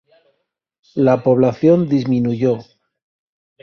La población disminuyó.